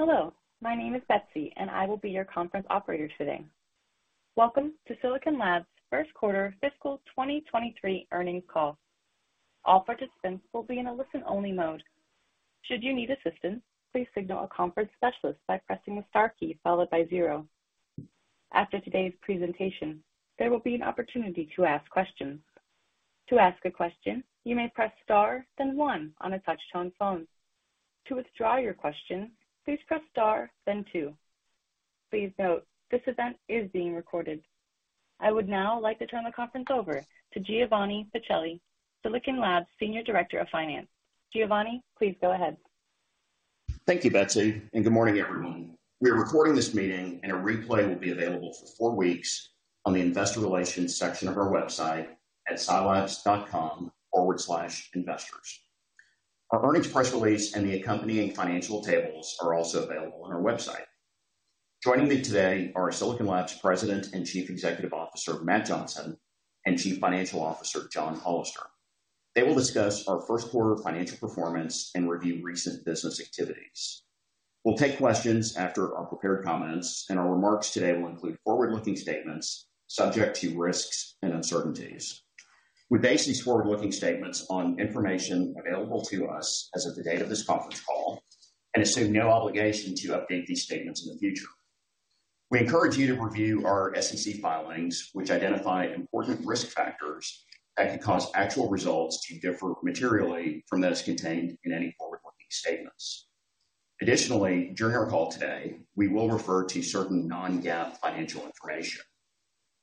Hello, my name is Betsy. I will be your conference operator today. Welcome to Silicon Labs First Quarter Fiscal 2023 Earnings Call. All participants will be in a listen-only mode. Should you need assistance, please signal a conference specialist by pressing the star key followed by zero. After today's presentation, there will be an opportunity to ask questions. To ask a question, you may press star then one on a touch-tone phone. To withdraw your question, please press star then two. Please note that this event is being recorded. I would now like to turn the conference over to Giovanni Pacelli, Silicon Labs Senior Director of Finance. Giovanni, please go ahead. Thank you, Betsy, and good morning, everyone. We are recording this meeting, and a replay will be available for four weeks on the Investor Relations section of our website at silabs.com/investors. Our earnings press release and the accompanying financial tables are also available on our website. Joining me today are Silicon Labs President and Chief Executive Officer, Matt Johnson, and Chief Financial Officer, John Hollister. They will discuss our first quarter financial performance and review recent business activities. We'll take questions after our prepared comments, and our remarks today will include forward-looking statements subject to risks and uncertainties. We base these forward-looking statements on information available to us as of the date of this conference call and assume no obligation to update these statements in the future. We encourage you to review our SEC filings, which identify important risk factors that could cause actual results to differ materially from those contained in any forward-looking statements. Additionally, during our call today, we will refer to certain non-GAAP financial information.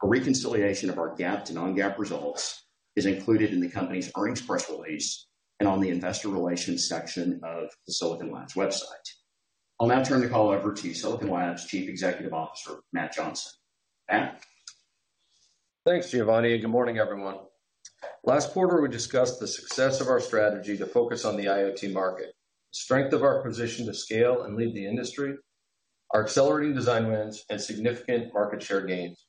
A reconciliation of our GAAP to non-GAAP results is included in the company's earnings press release and on the investor relations section of the Silicon Labs website. I'll now turn the call over to Silicon Labs Chief Executive Officer, Matt Johnson. Matt? Thanks, Giovanni, good morning, everyone. Last quarter, we discussed the success of our strategy to focus on the IoT market, the strength of our position to scale and lead the industry, our accelerating design wins, and significant market share gains.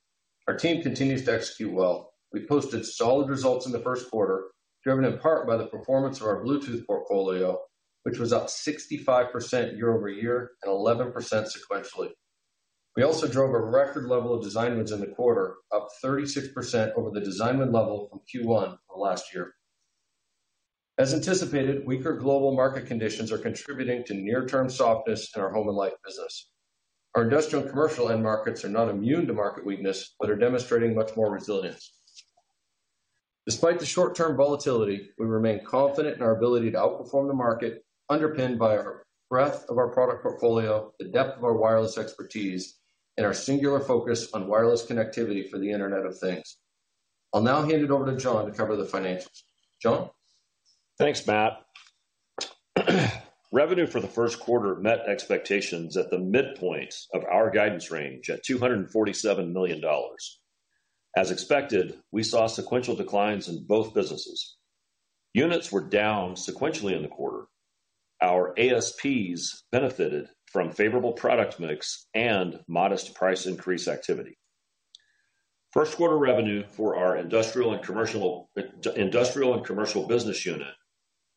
Our team continues to execute well. We posted solid results in the first quarter, driven in part by the performance of our Bluetooth portfolio, which was up 65% year-over-year and 11% sequentially. We also drove a record level of design wins in the quarter, up 36% over the design win level from Q1 of last year. As anticipated, weaker global market conditions are contributing to near-term softness in our Home & Life business. Our Industrial & Commercial end markets are not immune to market weakness but are demonstrating much more resilience. Despite the short-term volatility, we remain confident in our ability to outperform the market, underpinned by our breadth of our product portfolio, the depth of our wireless expertise, and our singular focus on wireless connectivity for the Internet of Things. I'll now hand it over to John to cover the financials. John? Thanks, Matt. Revenue for the first quarter met expectations at the midpoint of our guidance range at $247 million. As expected, we saw sequential declines in both businesses. Units were down sequentially in the quarter. Our ASPs benefited from favorable product mix and modest price increase activity. First quarter revenue for our Industrial & Commercial business unit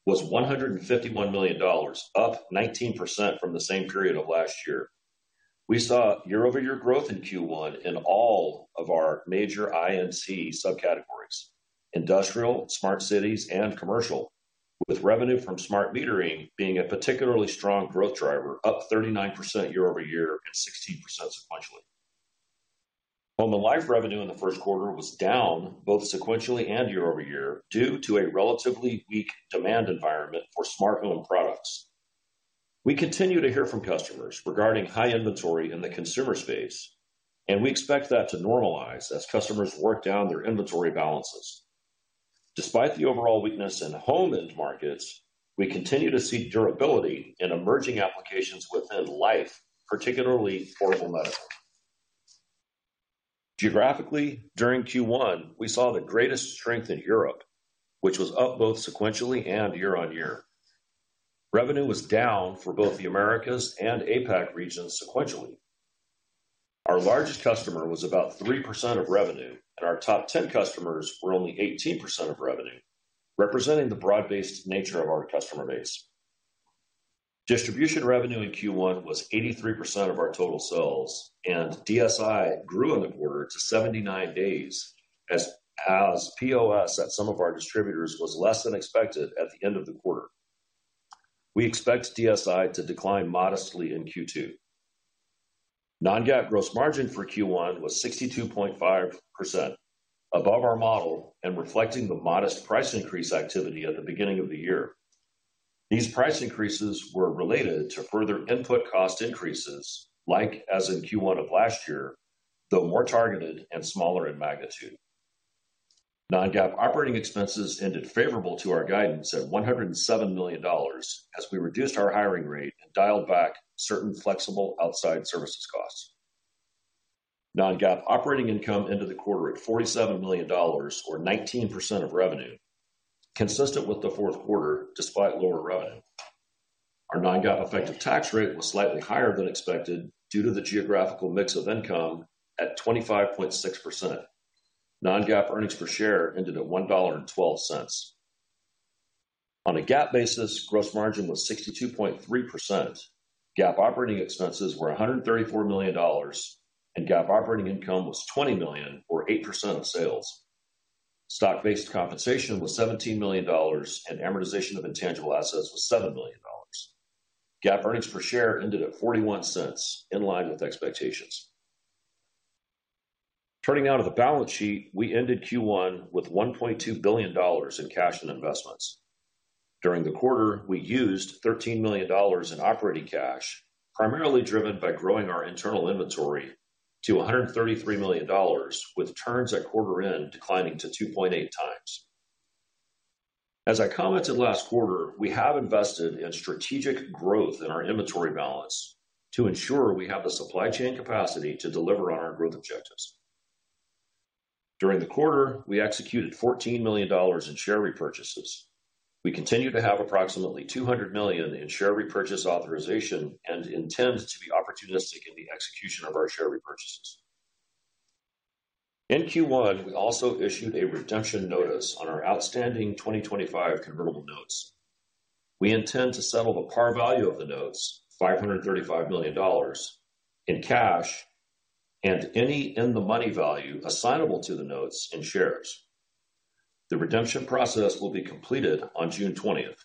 was $151 million, up 19% from the same period of last year. We saw year-over-year growth in Q1 in all of our major I&C subcategories, industrial, smart cities, and commercial, with revenue from smart metering being a particularly strong growth driver, up 39% year-over-year and 16% sequentially. Home & Life revenue in the first quarter was down both sequentially and year-over-year due to a relatively weak demand environment for smart home products. We continue to hear from customers regarding high inventory in the consumer space, and we expect that to normalize as customers work down their inventory balances. Despite the overall weakness in home end markets, we continue to see durability in emerging applications within life, particularly portable medical. Geographically, during Q1, we saw the greatest strength in Europe, which was up both sequentially and year-on-year. Revenue was down for both the Americas and APAC regions sequentially. Our largest customer was about 3% of revenue, and our 10 customers were only 18% of revenue, representing the broad-based nature of our customer base. Distribution revenue in Q1 was 83% of our total sales, and DSI grew in the quarter to 79 days, as POS at some of our distributors was less than expected at the end of the quarter. We expect DSI to decline modestly in Q2. Non-GAAP gross margin for Q1 was 62.5%, above our model and reflecting the modest price increase activity at the beginning of the year. These price increases were related to further input cost increases, like as in Q1 of last year, though more targeted and smaller in magnitude. Non-GAAP operating expenses ended favorable to our guidance at $107 million as we reduced our hiring rate and dialed back certain flexible outside services costs. Non-GAAP operating income ended the quarter at $47 million or 19% of revenue, consistent with the fourth quarter despite lower revenue. Our non-GAAP effective tax rate was slightly higher than expected due to the geographical mix of income at 25.6%. Non-GAAP earnings per share ended at $1.12. On a GAAP basis, gross margin was 62.3%. GAAP operating expenses were $134 million, and GAAP operating income was $20 million or 8% of sales. Stock-based compensation was $17 million, and amortization of intangible assets was $7 million. GAAP earnings per share ended at $0.41 in line with expectations. Turning now to the balance sheet. We ended Q1 with $1.2 billion in cash and investments. During the quarter, we used $13 million in operating cash, primarily driven by growing our internal inventory to $133 million, with turns at quarter end declining to 2.8x. As I commented last quarter, we have invested in strategic growth in our inventory balance to ensure we have the supply chain capacity to deliver on our growth objectives. During the quarter, we executed $14 million in share repurchases. We continue to have approximately $200 million in share repurchase authorization and intend to be opportunistic in the execution of our share repurchases. In Q1, we also issued a redemption notice on our outstanding 2025 convertible notes. We intend to settle the par value of the notes, $535 million in cash and any in-the-money value assignable to the notes and shares. The redemption process will be completed on June 20th.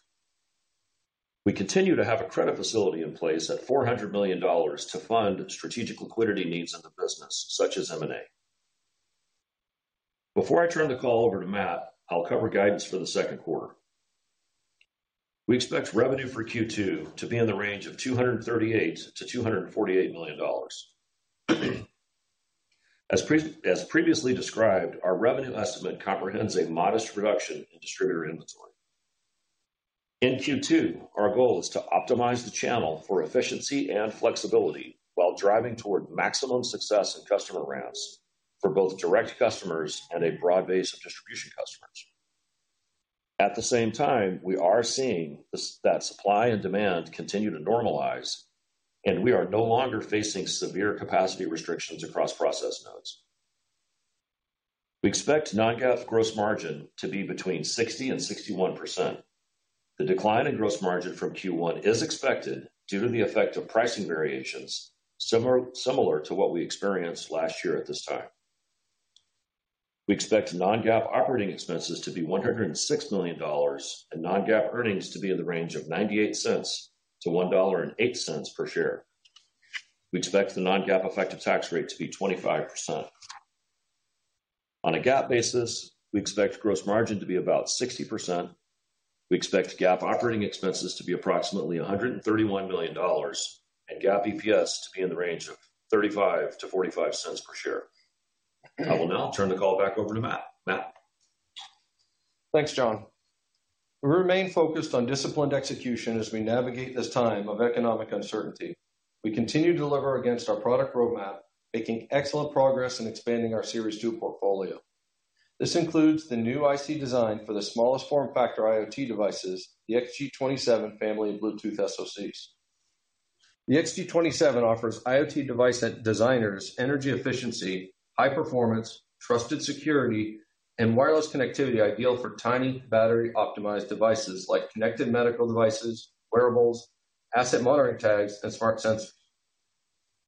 We continue to have a credit facility in place at $400 million to fund strategic liquidity needs in the business such as M&A. Before I turn the call over to Matt, I'll cover guidance for the second quarter. We expect revenue for Q2 to be in the range of $238 million to $248 million. As previously described, our revenue estimate comprehends a modest reduction in distributor inventory. In Q2, our goal is to optimize the channel for efficiency and flexibility while driving toward maximum success in customer ramps for both direct customers and a broad base of distribution customers. At the same time, we are seeing that supply and demand continue to normalize, and we are no longer facing severe capacity restrictions across process nodes. We expect non-GAAP gross margin to be between 60%-61%. The decline in gross margin from Q1 is expected due to the effect of pricing variations similar to what we experienced last year at this time. We expect non-GAAP operating expenses to be $106 million and non-GAAP earnings to be in the range of $0.98-$1.08 per share. We expect the non-GAAP effective tax rate to be 25%. On a GAAP basis, we expect gross margin to be about 60%. We expect GAAP operating expenses to be approximately $131 million and GAAP EPS to be in the range of $0.35-$0.45 per share. I will now turn the call back over to Matt. Matt? Thanks, John. We remain focused on disciplined execution as we navigate this time of economic uncertainty. We continue to deliver against our product roadmap, making excellent progress in expanding our Series 2 portfolio. This includes the new IC design for the smallest form factor IoT devices, the xG27 family of Bluetooth SoCs. The xG27 offers IoT device designers energy efficiency, high performance, trusted security, and wireless connectivity ideal for tiny battery optimized devices like connected medical devices, wearables, asset monitoring tags, and smart sensors.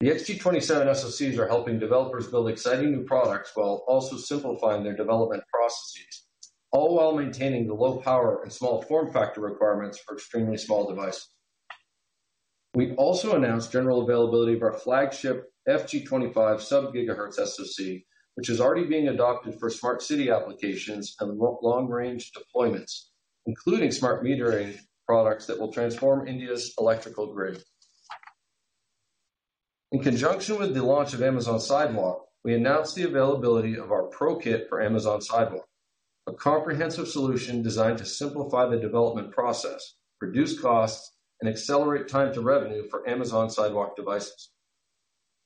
The xG27 SoCs are helping developers build exciting new products while also simplifying their development processes, all while maintaining the low power and small form factor requirements for extremely small devices. We also announced general availability of our flagship FG25 sub-GHz SoC, which is already being adopted for smart city applications and long range deployments, including smart metering products that will transform India's electrical grid. We announced the availability of our Pro Kit for Amazon Sidewalk, a comprehensive solution designed to simplify the development process, reduce costs, and accelerate time to revenue for Amazon Sidewalk devices.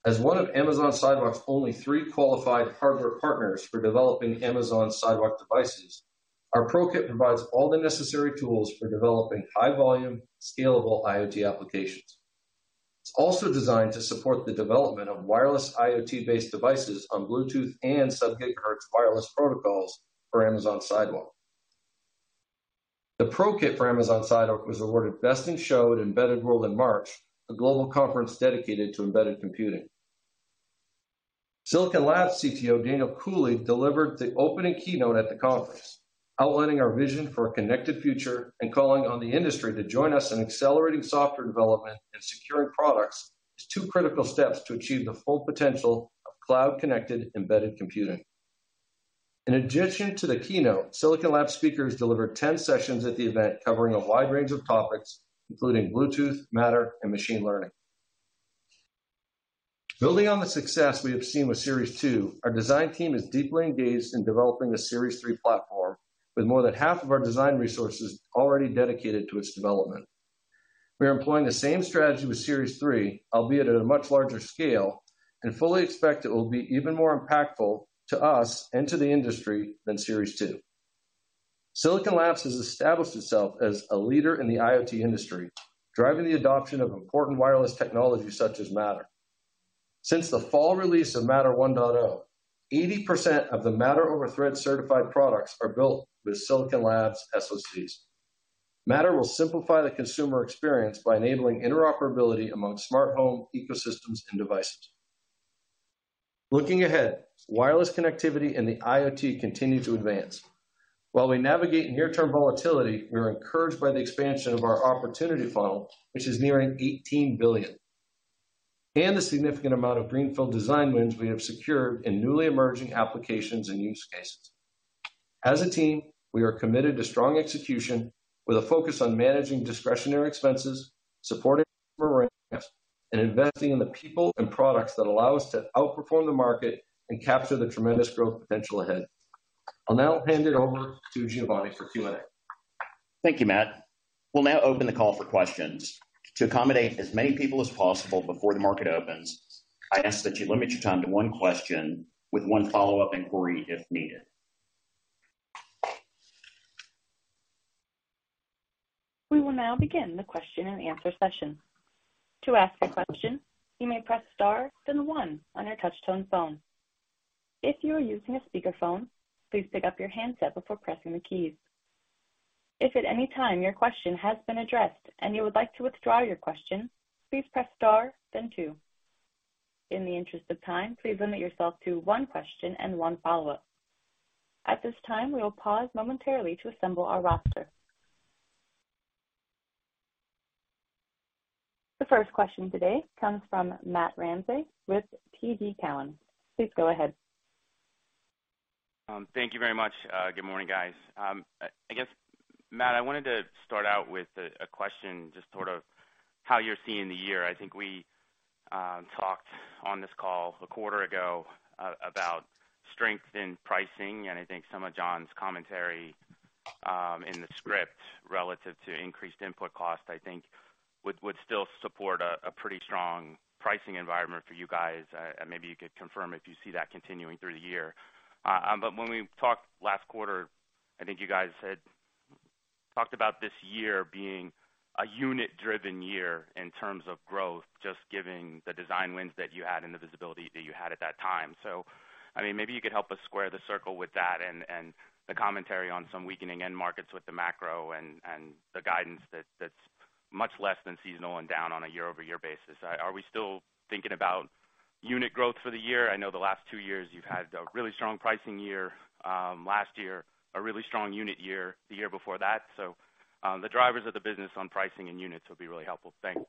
As one of Amazon Sidewalk's only 3 qualified hardware partners for developing Amazon Sidewalk devices, our Pro Kit provides all the necessary tools for developing high volume, scalable IoT applications. It's also designed to support the development of wireless IoT-based devices on Bluetooth and sub-GHz wireless protocols for Amazon Sidewalk. The Pro Kit for Amazon Sidewalk was awarded Best in Show at embedded world in March, a global conference dedicated to embedded computing. Silicon Labs CTO Daniel Cooley delivered the opening keynote at the conference, outlining our vision for a connected future and calling on the industry to join us in accelerating software development and securing products as 2 critical steps to achieve the full potential of cloud-connected embedded computing. In addition to the keynote, Silicon Labs speakers delivered 10 sessions at the event, covering a wide range of topics including Bluetooth, Matter, and machine learning. Building on the success we have seen with Series 2, our design team is deeply engaged in developing a Series 3 platform with more than half of our design resources already dedicated to its development. We are employing the same strategy with Series 3, albeit at a much larger scale, and fully expect it will be even more impactful to us and to the industry than Series 2. Silicon Labs has established itself as a leader in the IoT industry, driving the adoption of important wireless technologies such as Matter. Since the fall release of Matter 1.0, 80% of the Matter over Thread certified products are built with Silicon Labs SoCs. Matter will simplify the consumer experience by enabling interoperability among smart home ecosystems and devices. Looking ahead, wireless connectivity and the IoT continue to advance. While we navigate near-term volatility, we are encouraged by the expansion of our opportunity funnel, which is nearing $18 billion, and the significant amount of greenfield design wins we have secured in newly emerging applications and use cases. As a team, we are committed to strong execution with a focus on managing discretionary expenses, supporting and investing in the people and products that allow us to outperform the market and capture the tremendous growth potential ahead. I'll now hand it over to Giovanni for Q&A. Thank you, Matt. We'll now open the call for questions. To accommodate as many people as possible before the market opens, I ask that you limit your time to 1 question with 1 follow-up inquiry if needed. We will now begin the question and answer session. To ask a question, you may press star then 1 on your touch-tone phone. If you are using a speakerphone, please pick up your handset before pressing the keys. If at any time your question has been addressed and you would like to withdraw your question, please press star then 2. In the interest of time, please limit yourself to one question and one follow-up. At this time, we will pause momentarily to assemble our roster. The first question today comes from Matthew Ramsay with TD Cowen. Please go ahead. Thank you very much. Good morning, guys. I guess, Matt, I wanted to start out with a question, just sort of how you're seeing the year. I think we talked on this call a quarter ago about strength in pricing, and I think some of John's commentary in the script relative to increased input cost, I think would still support a pretty strong pricing environment for you guys. Maybe you could confirm if you see that continuing through the year. When we talked last quarter, I think you guys had talked about this year being a unit-driven year in terms of growth, just given the design wins that you had and the visibility that you had at that time. I mean, maybe you could help us square the circle with that and the commentary on some weakening end markets with the macro and the guidance that's much less than seasonal and down on a year-over-year basis. Are we still thinking about unit growth for the year? I know the last two years you've had a really strong pricing year, last year, a really strong unit year, the year before that. The drivers of the business on pricing and units would be really helpful. Thanks.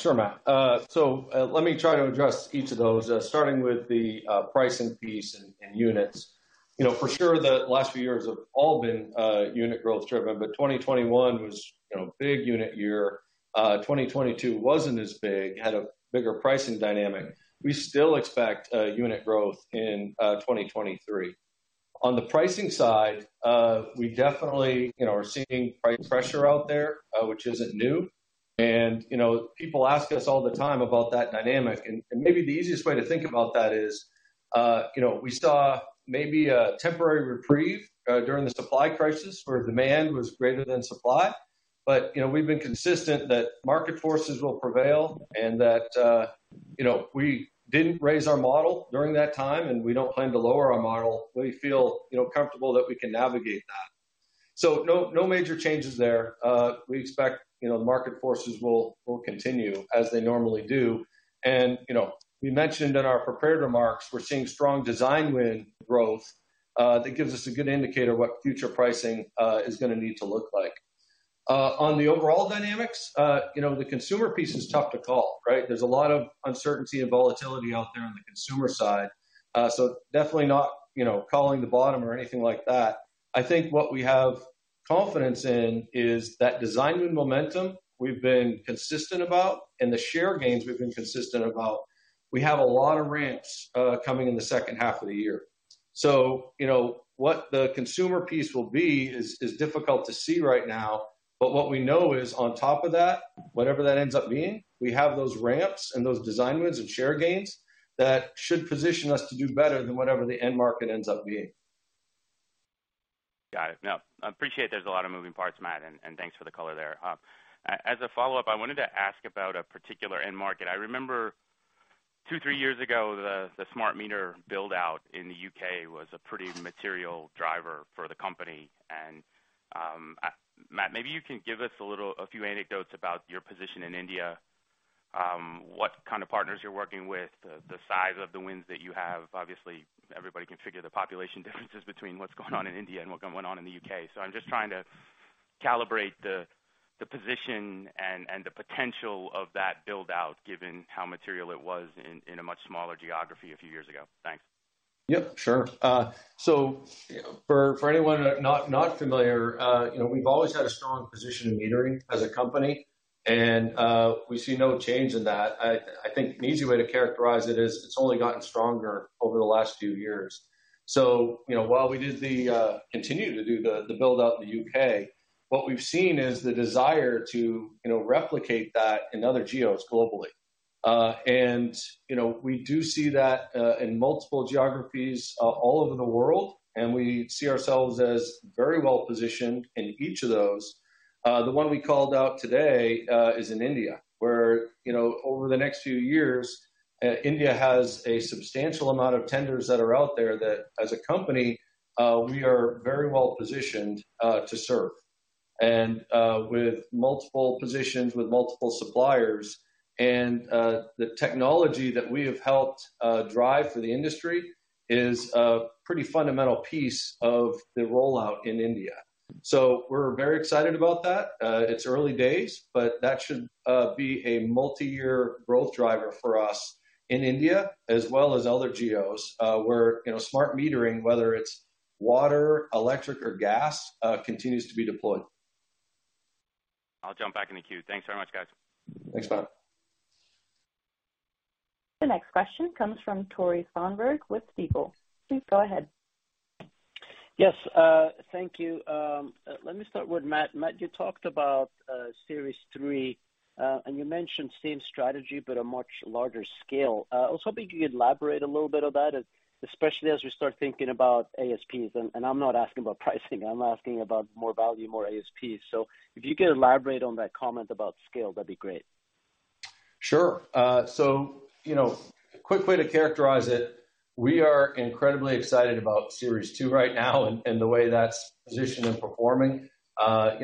Sure, Matt. Let me try to address each of those, starting with the pricing piece and units. For sure, the last few years have all been unit growth-driven, but 2021 was a big unit year. 2022 wasn't as big, had a bigger pricing dynamic. We still expect unit growth in 2023. On the pricing side, we definitely are seeing price pressure out there, which isn't new. People ask us all the time about that dynamic. Maybe the easiest way to think about that is we saw maybe a temporary reprieve during the supply crisis where demand was greater than supply. We've been consistent that market forces will prevail and that we didn't raise our model during that time, and we don't plan to lower our model. We feel comfortable that we can navigate that. No major changes there. We expect the market forces will continue as they normally do. We mentioned in our prepared remarks that we're seeing strong design win growth, that gives us a good indicator of what future pricing is gonna need to look like. On the overall dynamics the consumer piece is tough to call, right? There's a lot of uncertainty and volatility out there on the consumer side. Definitely not calling the bottom or anything like that. I think what we have confidence in is that design win momentum we've been consistent about and the share gains we've been consistent about. We have a lot of ramps coming in the second half of the year. You know, what the consumer piece will be is difficult to see right now. What we know is on top of that, whatever that ends up being, we have those ramps and those design wins and share gains that should position us to do better than whatever the end market ends up being. Got it. No, I appreciate there's a lot of moving parts, Matt, and thanks for the color there. As a follow-up, I wanted to ask about a particular end market. I remember two, three years ago, the smart meter build-out in the U.K. was a pretty material driver for the company. Matt, maybe you can give us a few anecdotes about your position in India, what kind of partners you're working with, the size of the wins that you have. Obviously, everybody can figure the population differences between what's going on in India and what went on in the U.K. I'm just trying to calibrate the position and the potential of that build-out, given how material it was in a much smaller geography a few years ago. Thanks. Yep, sure. For anyone not familiar we've always had a strong position in metering as a company, and we see no change in that. I think the easy way to characterize it is it's only gotten stronger over the last few years. While we did the continue to do the build-out in the U.K., what we've seen is the desire to replicate that in other geos globally. We do see that in multiple geographies all over the world, and we see ourselves as very well-positioned in each of those. The one we called out today is in India, where over the next few years, India has a substantial amount of tenders that are out there that as a company, we are very well-positioned to serve. With multiple positions with multiple suppliers and the technology that we have helped drive for the industry is a pretty fundamental piece of the rollout in India. We're very excited about that. It's early days, but that should be a multiyear growth driver for us in India as well as other geos, where smart metering, whether it's water, electric or gas, continues to be deployed. I'll jump back in the queue. Thanks very much, guys. Thanks, Bob. The next question comes from Tore Svanberg with Stifel. Please go ahead. Yes, thank you. Let me start with Matt. Matt, you talked about Series 3, and you mentioned same strategy but a much larger scale. I was hoping you could elaborate a little bit of that, especially as we start thinking about ASPs. I'm not asking about pricing, I'm asking about more value, more ASPs. If you could elaborate on that comment about scale, that'd be great. Sure. Quick way to characterize it, we are incredibly excited about Series 2 right now and the way that's positioned and performing.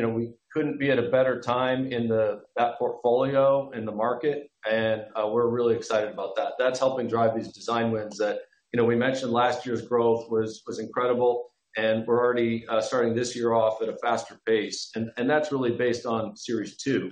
We couldn't be at a better time in that portfolio in the market and we're really excited about that. That's helping drive these design wins that we mentioned last year's growth was incredible, and we're already starting this year off at a faster pace. That's really based on Series 2.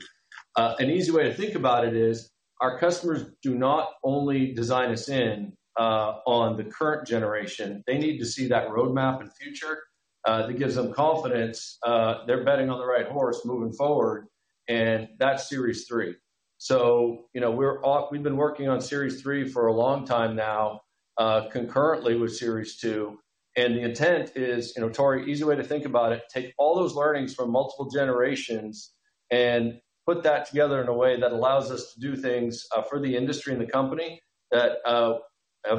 An easy way to think about it is our customers do not only design us in on the current generation. They need to see that roadmap in future that gives them confidence, they're betting on the right horse moving forward, and that's Series 3. We've been working on Series 3 for a long time now, concurrently with Series 2, and the intent is Tore, easy way to think about it, take all those learnings from multiple generations and put that together in a way that allows us to do things for the industry and the company that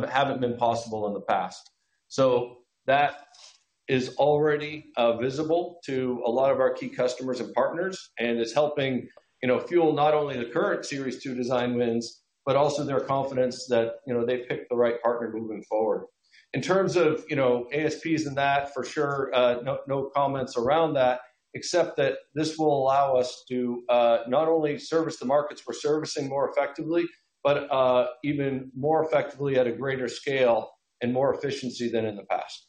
haven't been possible in the past. That is already visible to a lot of our key customers and partners and is helping fuel not only the current Series 2 design wins, but also their confidence that they've picked the right partner moving forward. In terms of ASPs and that for sure, no comments around that, except that this will allow us to not only service the markets we're servicing more effectively, but even more effectively at a greater scale and more efficiency than in the past.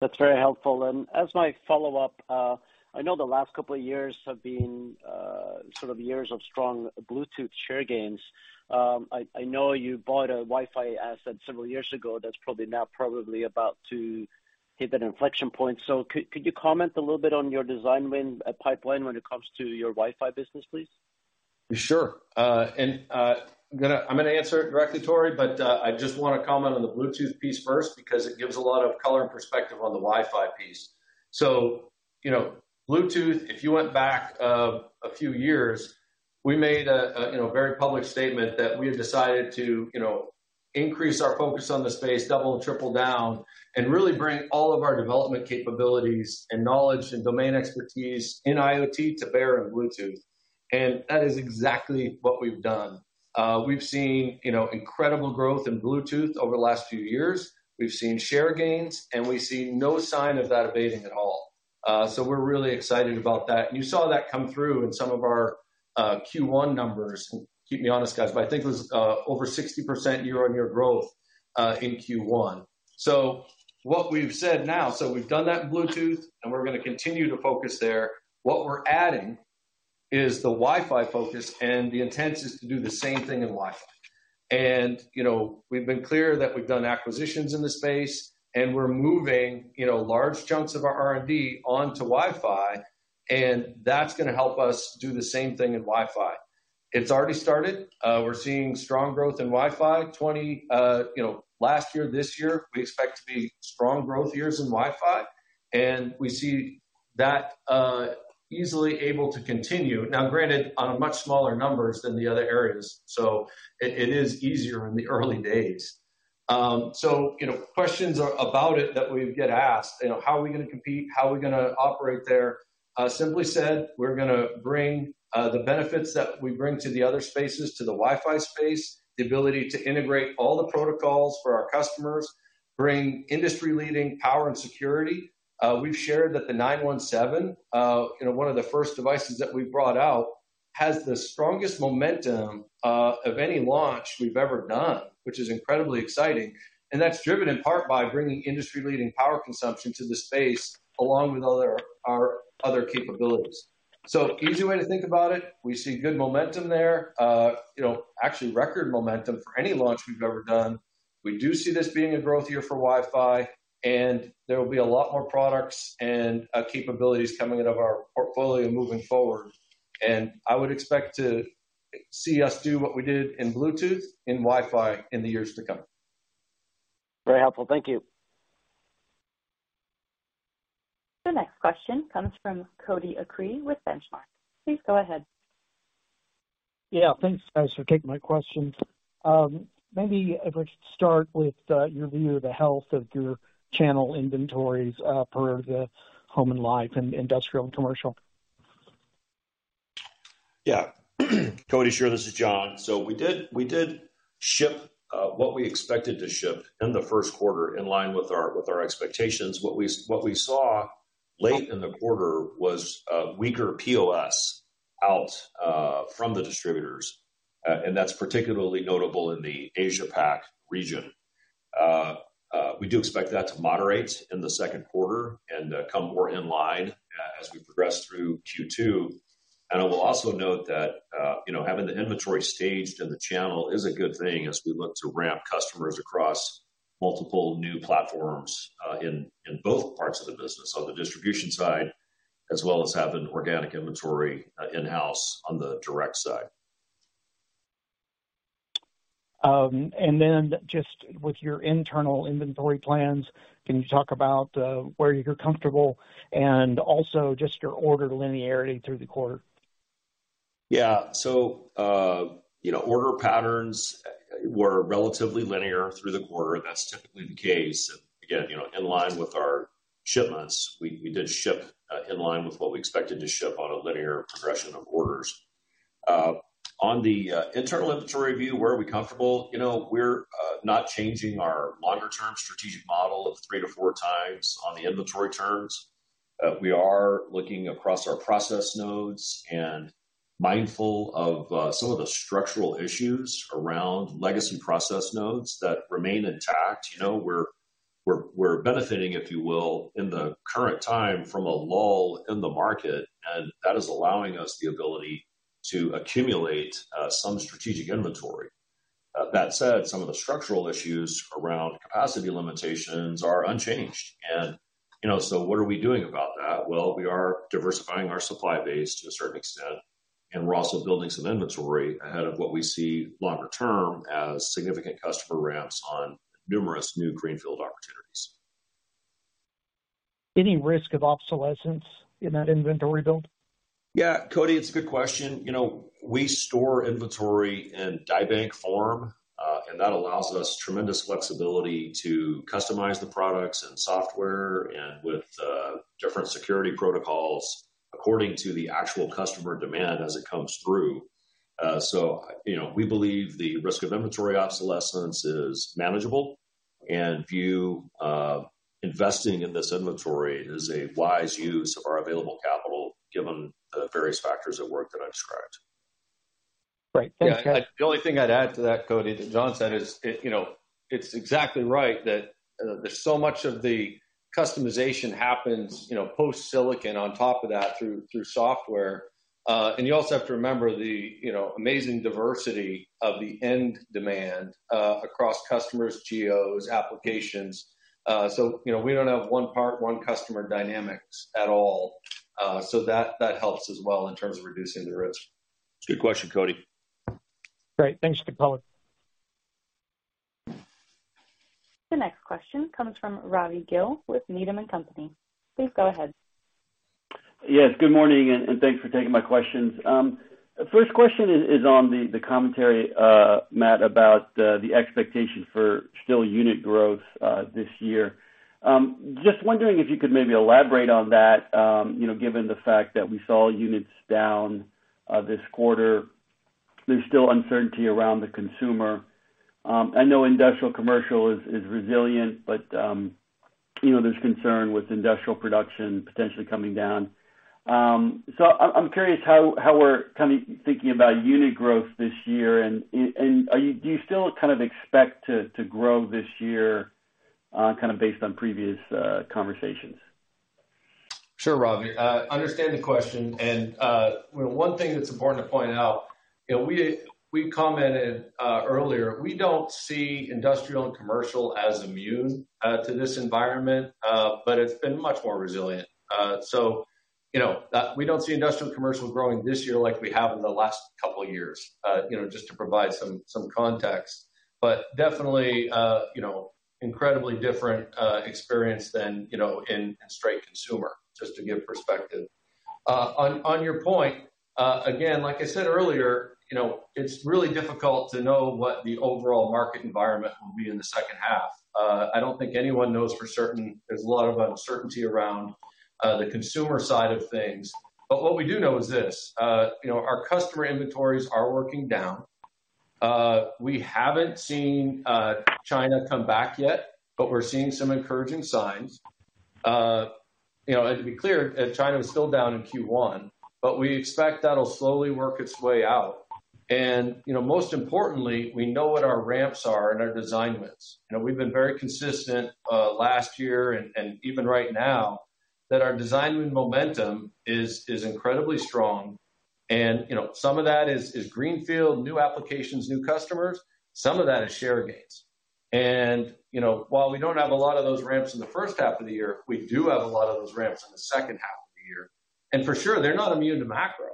That's very helpful. As my follow-up, I know the last couple of years have been sort of years of strong Bluetooth share gains. I know you bought a Wi-Fi asset several years ago that's probably now about to hit an inflection point. Could you comment a little bit on your design win pipeline when it comes to your Wi-Fi business, please? Sure. I'm gonna, I'm gonna answer it directly, Tore, I just wanna comment on the Bluetooth piece first because it gives a lot of color and perspective on the Wi-Fi piece. Bluetooth, if you went back a few years, we made a very public statement that we have decided to increase our focus on the space, double and triple down, and really bring all of our development capabilities and knowledge and domain expertise in IoT to bear on Bluetooth. That is exactly what we've done. We've seen incredible growth in Bluetooth over the last few years. We've seen share gains, and we see no sign of that abating at all. We're really excited about that. You saw that come through in some of our Q1 numbers. Keep me honest, guys, but I think it was over 60% year-on-year growth in Q1. What we've said now, we've done that in Bluetooth, and we're gonna continue to focus there. What we're adding is the Wi-Fi focus, and the intent is to do the same thing in Wi-Fi. You know, we've been clear that we've done acquisitions in the space, and we're moving large chunks of our R&D onto Wi-Fi, and that's gonna help us do the same thing in Wi-Fi. It's already started. We're seeing strong growth in Wi-Fi. Last year, this year, we expect to be strong growth years in Wi-Fi, and we see that easily able to continue. Granted, on much smaller numbers than the other areas. It is easier in the early days. You know, questions about it that we get asked, how are we gonna compete? How are we gonna operate there? Simply said, we're gonna bring the benefits that we bring to the other spaces, to the Wi-Fi space, the ability to integrate all the protocols for our customers, bring industry-leading power and security. We've shared that the 917, one of the first devices that we brought out, has the strongest momentum of any launch we've ever done, which is incredibly exciting. That's driven in part by bringing industry-leading power consumption to the space, along with our other capabilities. Easy way to think about it, we see good momentum there. You know, actually record momentum for any launch we've ever done. We do see this being a growth year for Wi-Fi, and there will be a lot more products and capabilities coming out of our portfolio moving forward. I would expect to see us do what we did in Bluetooth, in Wi-Fi in the years to come. Very helpful. Thank you. The next question comes from Cody Acree with Benchmark. Please go ahead. Thanks guys for taking my question. Maybe if I could start with your view of the health of your channel inventories, per the Home & Life and Industrial & Commercial. Cody. Sure. This is John. We did ship what we expected to ship in the first quarter in line with our expectations. What we saw late in the quarter was weaker POS out from the distributors. That's particularly notable in the Asia Pac region. We do expect that to moderate in the second quarter and come more in line as we progress through Q2. I will also note that, you know, having the inventory staged in the channel is a good thing as we look to ramp customers across multiple new platforms in both parts of the business. On the distribution side, as well as having organic inventory in-house on the direct side. Just with your internal inventory plans, can you talk about where you're comfortable and also just your order linearity through the quarter? Order patterns were relatively linear through the quarter. That's typically the case. Again, you know, in line with our shipments, we did ship in line with what we expected to ship on a linear progression of orders. On the internal inventory view, where are we comfortable? We're not changing our longer-term strategic model of 3x-4x on the inventory terms. We are looking across our process nodes and mindful of some of the structural issues around legacy process nodes that remain intact. We're benefiting, if you will, in the current time from a lull in the market, and that is allowing us the ability to accumulate some strategic inventory. That said, some of the structural issues around capacity limitations are unchanged. What are we doing about that? Well, we are diversifying our supply base to a certain extent, and we're also building some inventory ahead of what we see longer term as significant customer ramps on numerous new greenfield opportunities. Any risk of obsolescence in that inventory build? Cody, it's a good question. You know, we store inventory in die bank form, and that allows us tremendous flexibility to customize the products and software and with different security protocols according to the actual customer demand as it comes through. You know, we believe the risk of inventory obsolescence is manageable and view investing in this inventory as a wise use of our available capital, given the various factors at work that I've described. Great. Thanks, guys. The only thing I'd add to that, Cody, to John said is, it's exactly right that there's so much of the customization happens post-silicon on top of that through software. You also have to remember the, you know, amazing diversity of the end demand across customers, geos, applications. You know, we don't have one part, one customer dynamics at all. That helps as well in terms of reducing the risk. It's a good question, Cody. Great. Thanks for the color. The next question comes from Rajvi Gill with Needham & Company. Please go ahead. Yes, good morning, and thanks for taking my questions. First question is on the commentary, Matt, about the expectation for still unit growth this year. Just wondering if you could maybe elaborate on that. You know, given the fact that we saw units down this quarter, there's still uncertainty around the consumer. I know Industrial & Commercial is resilient, but there's concern with industrial production potentially coming down. I'm curious how we're thinking about unit growth this year, and do you still expect to grow this year, based on previous conversations? Sure, Rajvi. Understand the question one thing that's important to point out we commented earlier, we don't see Industrial & Commercial as immune to this environment, it's been much more resilient. We don't see Industrial & Commercial growing this year like we have in the last couple of years just to provide some context. Definitely, incredibly different experience than in straight consumer, just to give perspective. On your point, again, like I said earlier it's really difficult to know what the overall market environment will be in the second half. I don't think anyone knows for certain. There's a lot of uncertainty around the consumer side of things. What we do know is this our customer inventories are working down. We haven't seen, China come back yet, but we're seeing some encouraging signs. To be clear, China is still down in Q1, but we expect that'll slowly work its way out. Most importantly, we know what our ramps are and our design wins. You know, we've been very consistent, last year and even right now that our design win momentum is incredibly strong. You know, some of that is greenfield, new applications, new customers, some of that is share gains. You know, while we don't have a lot of those ramps in the first half of the year, we do have a lot of those ramps in the second half. For sure they're not immune to macro,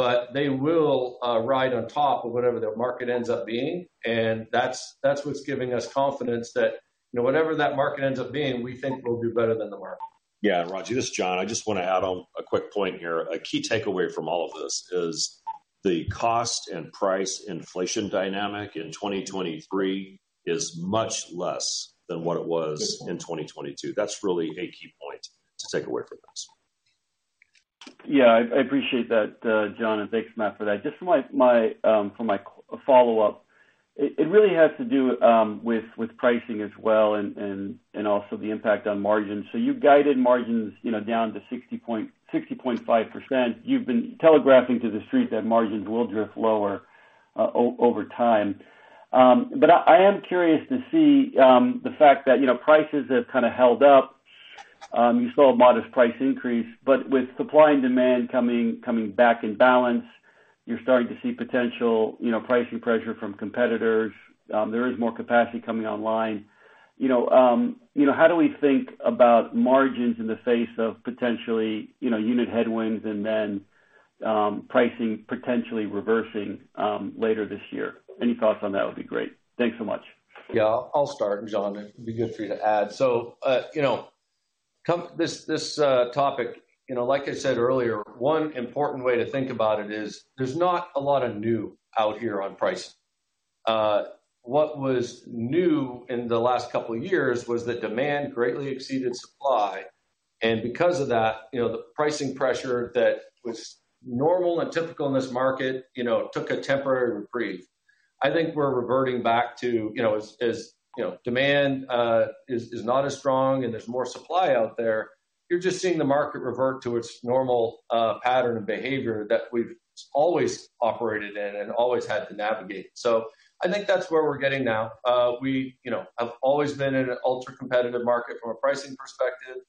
but they will ride on top of whatever their market ends up being. That's what's giving us confidence that, you know, whatever that market ends up being, we think we'll do better than the market. Roger, this is John. I just wanna add on a quick point here. A key takeaway from all of this is the cost and price inflation dynamic in 2023 is much less than what it was in 2022. That's really a key point to take away from this. I appreciate that, John, and thanks, Matt, for that. Just for my follow-up, it really has to do with pricing as well and also the impact on margins. You've guided margins down to 60.5%. You've been telegraphing to the Street that margins will drift lower over time. I am curious to see the fact that prices have kinda held up. You saw a modest price increase, but with supply and demand coming back in balance, you're starting to see potential pricing pressure from competitors. There is more capacity coming online. How do we think about margins in the face of potentially unit headwinds and then pricing potentially reversing later this year? Any thoughts on that would be great. Thanks so much. I'll start, John. It'd be good for you to add. This topic like I said earlier, one important way to think about it is there's not a lot of new out here on pricing. What was new in the last couple of years was that demand greatly exceeded supply, and because of that the pricing pressure that was normal and typical in this market took a temporary reprieve. I think we're reverting back to as demand is not as strong and there's more supply out there, you're just seeing the market revert to its normal pattern of behavior that we've always operated in and always had to navigate. I think that's where we're getting now. We have always been in an ultra-competitive market from a pricing perspective.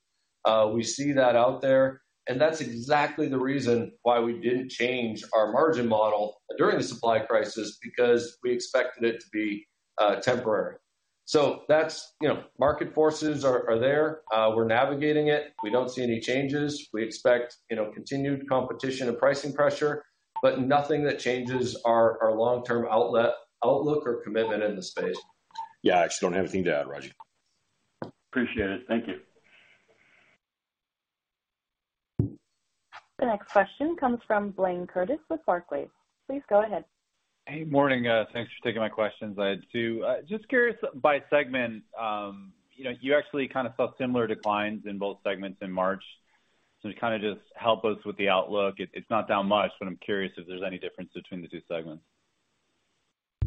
We see that out there, and that's exactly the reason why we didn't change our margin model during the supply crisis because we expected it to be temporary. That's market forces. We're navigating it. We don't see any changes. We expect continued competition and pricing pressure, but nothing that changes our long-term outlook or commitment in the space. I just don't have anything to add, Roger. Appreciate it. Thank you. The next question comes from Blayne Curtis with Barclays. Please go ahead. Hey, morning. Thanks for taking my questions. I had two. Just curious by segment, you actually saw similar declines in both segments in March. To just help us with the outlook, it's not down much, but I'm curious if there's any difference between the two segments.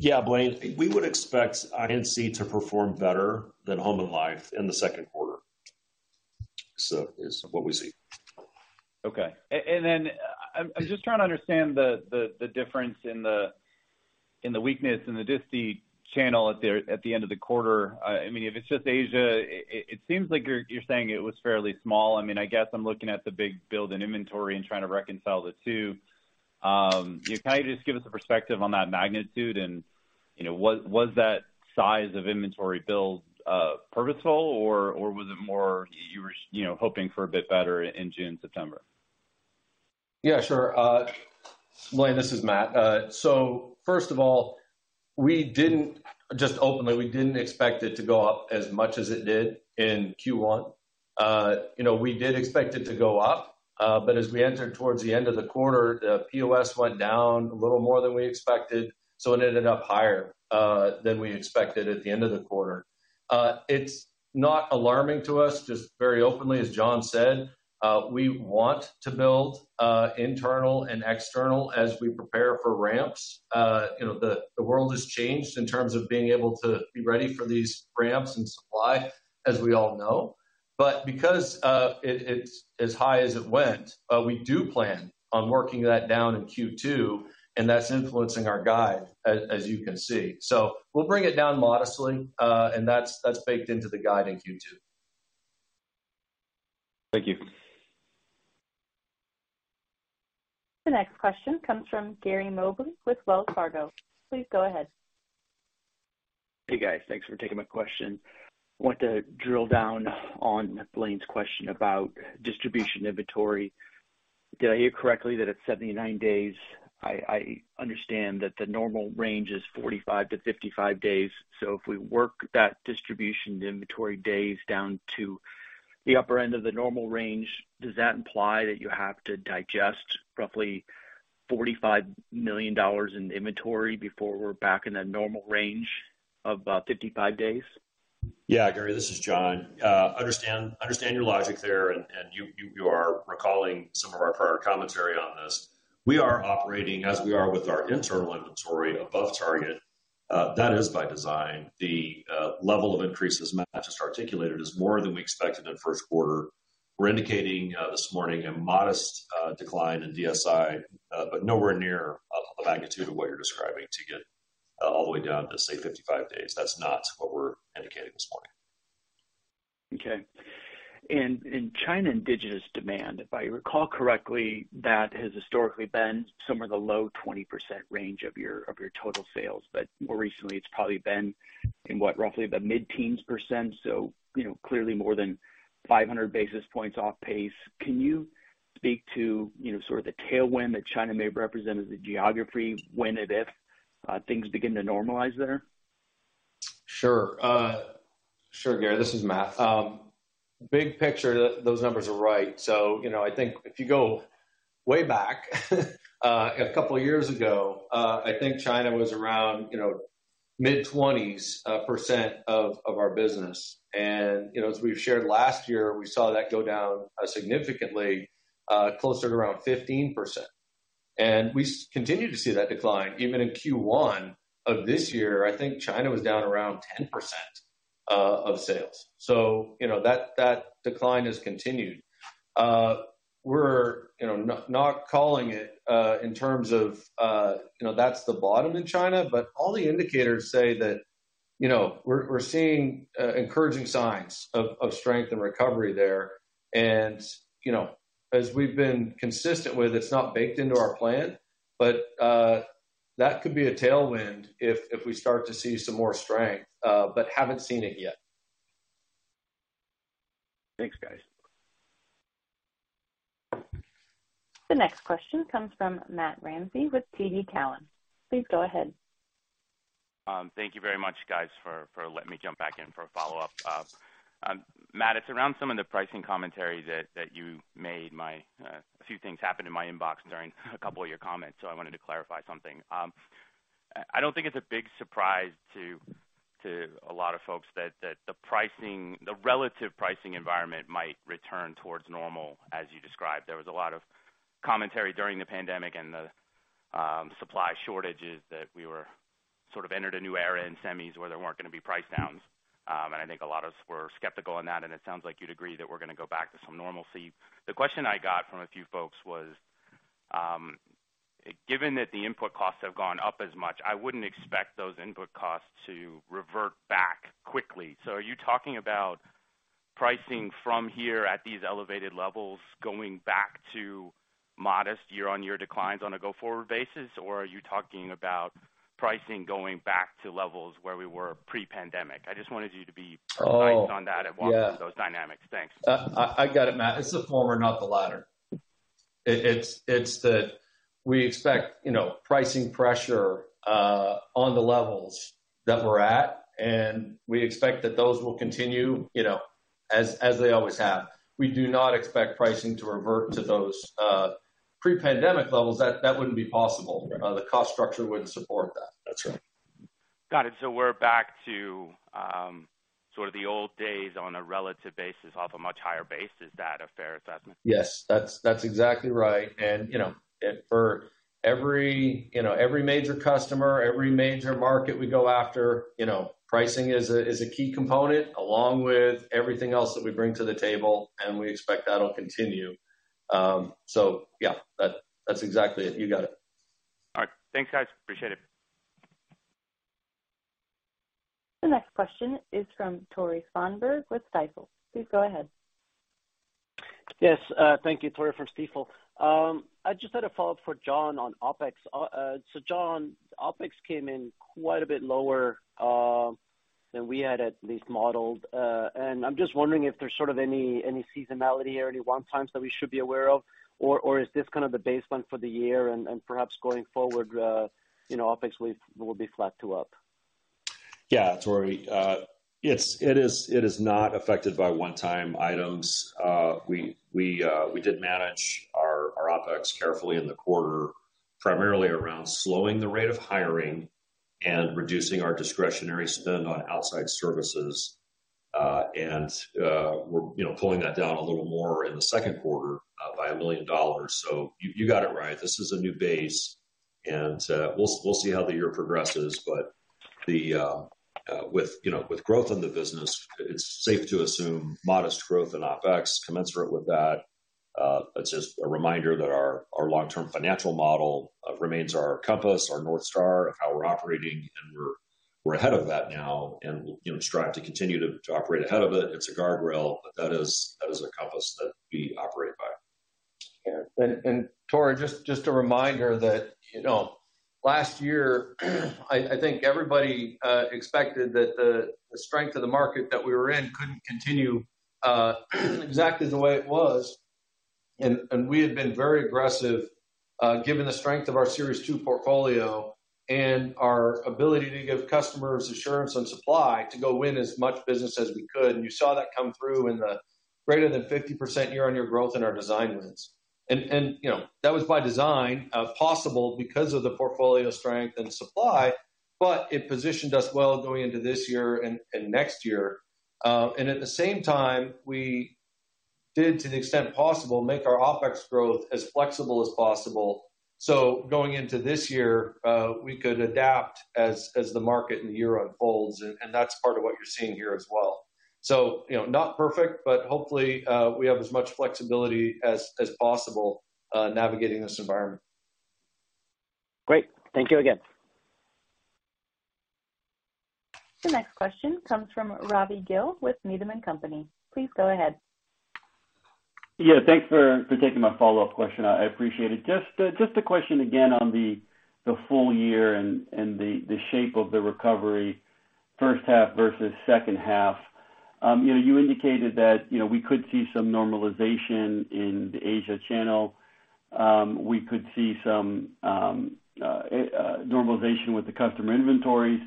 Blayne, we would expect I&C to perform better than Home & Life in the second quarter. Is what we see. Then I'm just trying to understand the difference in the weakness in the disti channel at the end of the quarter. If it's just Asia, it seems like you're saying it was fairly small. I'm looking at the big build-in inventory and trying to reconcile the two. Can you just give us a perspective on that magnitude and, you know, was that size of inventory build purposeful or was it more you were hoping for a bit better in June, September? Sure. Blayne, this is Matt. First of all, we didn't expect it to go up as much as it did in Q1. We did expect it to go up, as we entered towards the end of the quarter, the POS went down a little more than we expected, it ended up higher than we expected at the end of the quarter. It's not alarming to us, just very openly, as John said, we want to build internal and external as we prepare for ramps. The world has changed in terms of being able to be ready for these ramps and supply, as we all know. Because it's as high as it went, we do plan on working that down in Q2, and that's influencing our guide, as you can see. We'll bring it down modestly, and that's baked into the guide in Q2. Thank you. The next question comes from Gary Mobley with Wells Fargo. Please go ahead. Hey, guys. Thanks for taking my question. I want to drill down on Blayne's question about distribution inventory. Did I hear correctly that it's 79 days? I understand that the normal range is 45-55 days. If we work that distribution inventory days down to the upper end of the normal range, does that imply that you have to digest roughly $45 million in inventory before we're back in the normal range of 55 days? Gary, this is John. Understand your logic there, and you are recalling some of our prior commentary on this. We are operating as we are with our internal inventory above target. That is by design. The level of increases Matt just articulated is more than we expected in first quarter. We're indicating this morning a modest decline in DSI, but nowhere near the magnitude of what you're describing to get all the way down to, say, 55 days. That's not what we're indicating this morning. Okay. In China, indigenous demand, if I recall correctly, that has historically been somewhere in the low 20% range of your total sales. More recently, it's probably been in what? Roughly the mid-teens percent, clearly more than 500 basis points off pace. Can you speak of the tailwind that China may represent as a geography when it is Things begin to normalize there? Sure, Gary, this is Matt. Big picture, those numbers are right. If you go way back a couple of years ago, I think China was around mid-20% of our business. As we've shared last year, we saw that go down significantly, closer to around 15%. We continue to see that decline even in Q1 of this year. I think China was down around 10% of sales. That decline has continued. We're, you know, not calling it in terms of that's the bottom in China, but all the indicators say that, you know, we're seeing encouraging signs of strength and recovery there. As we've been consistent with, it's not baked into our plan, but that could be a tailwind if we start to see some more strength, but haven't seen it yet. Thanks, guys. The next question comes from Matthew Ramsay with TD Cowen. Please go ahead. Thank you very much, guys, for letting me jump back in for a follow-up. Matt, it's around some of the pricing commentary that you made. A few things happened in my inbox during a couple of your comments, so I wanted to clarify something. I don't think it's a big surprise to a lot of folks that the pricing, the relative pricing environment might return towards normal as you described. There was a lot of commentary during the pandemic and the supply shortages that we were sort of entered a new era in semis where there weren't gonna be price downs. I think a lot of us were skeptical on that, and it sounds like you'd agree that we're gonna go back to some normalcy. The question I got from a few folks was, given that the input costs have gone up as much, I wouldn't expect those input costs to revert back quickly. Are you talking about pricing from here at these elevated levels going back to modest year-over-year declines on a go-forward basis? Are you talking about pricing going back to levels where we were pre-pandemic? I just wanted you to be precise on that and walk through those dynamics. Thanks. I got it, Matt. It's the former, not the latter. It's that we expect, you know, pricing pressure on the levels that we're at, and we expect that those will continue, you know, as they always have. We do not expect pricing to revert to those pre-pandemic levels. That wouldn't be possible. The cost structure wouldn't support that. That's right. Got it. We're back to the old days on a relative basis off a much higher base. Is that a fair assessment? Yes. That's exactly right. For every major customer, every major market we go after pricing is a key component along with everything else that we bring to the table, and we expect that'll continue. That's exactly it. You got it. All right. Thanks, guys. Appreciate it. The next question is from Tore Svanberg with Stifel. Please go ahead. Yes, thank you. Tore from Stifel. I just had a follow-up for John on OpEx. John, OpEx came in quite a bit lower than we had at least modeled. I'm just wondering if there's sort of any seasonality or any 1x that we should be aware of or, is this kind of the baseline for the year and perhaps going forward, you know, OpEx will be flat to up? Tore. It is not affected by one-time items. We did manage our OpEx carefully in the quarter, primarily around slowing the rate of hiring and reducing our discretionary spend on outside services. And, we're, you know, pulling that down a little more in the second quarter, by $1 million. You got it right. This is a new base. We'll see how the year progresses, but with, you know, with growth in the business, it's safe to assume modest growth in OpEx commensurate with that. It's just a reminder that our long-term financial model remains our compass, our North Star of how we're operating, and we're ahead of that now and, you know, strive to continue to operate ahead of it. It's a guardrail, but that is, that is a compass that we operate by. Tore, just a reminder that last year I think everybody expected that the strength of the market that we were in couldn't continue exactly the way it was. We had been very aggressive given the strength of our Series 2 portfolio and our ability to give customers assurance on supply to go win as much business as we could. You saw that come through in the greater than 50% year-over-year growth in our design wins. That was by design possible because of the portfolio strength and supply, but it positioned us well going into this year and next year. At the same time, we did, to the extent possible, make our OpEx growth as flexible as possible. Going into this year, we could adapt as the market and the year unfolds, and that's part of what you're seeing here as well. You know, not perfect, but hopefully, we have as much flexibility as possible, navigating this environment. Great. Thank you again. The next question comes from Rajvi Gill with Needham & Company. Please go ahead. Thanks for taking my follow-up question. I appreciate it. Just a question again on the full year and the shape of the recovery first half versus second half. You know, you indicated that, you know, we could see some normalization in the Asia channel. We could see some normalization with the customer inventories.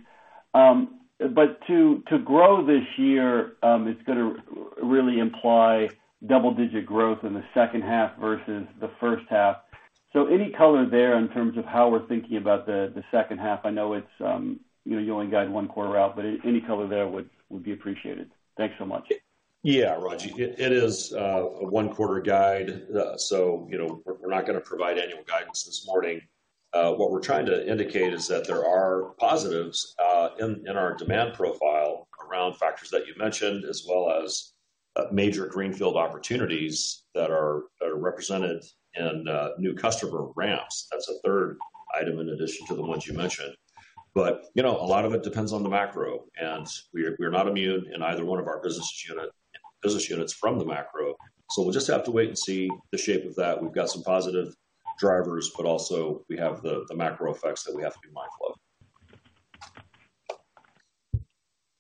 But to grow this year, it's gonna really imply double-digit growth in the second half versus the first half. Any color there in terms of how we're thinking about the second half? I know you only guide one quarter out, but any color there would be appreciated. Thanks so much. Rajvi. It is a one-quarter guide we're not gonna provide annual guidance this morning. What we're trying to indicate is that there are positives in our demand profile around factors that you mentioned, as well as major greenfield opportunities that are represented in new customer ramps. That's a third item in addition to the ones you mentioned. You know, a lot of it depends on the macro, and we're not immune in either one of our business units from the macro. We'll just have to wait and see the shape of that. We've got some positive drivers, but also we have the macro effects that we have to be mindful of.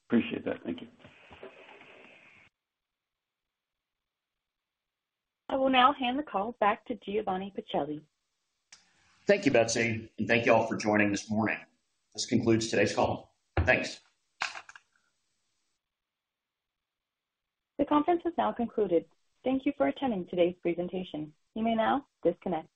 Appreciate that. Thank you. I will now hand the call back to Giovanni Pacelli. Thank you, Betsy, and thank you all for joining this morning. This concludes today's call. Thanks. The conference has now concluded. Thank you for attending today's presentation. You may now disconnect.